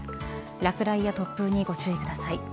落雷や突風にご注意ください。